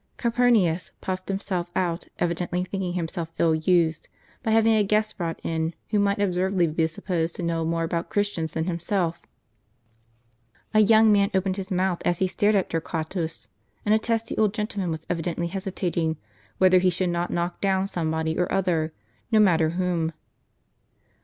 Calpur nius puffed himself out, evidently thinking himself ill used, by having a guest brought in, who might absurdly be supposed to know more about Christians than himself. A young man opened his mouth as he stared at Torquatus ; and a testy old gentleman was evidently hesitating, whether he should not knock down somebody or other, no matter whom.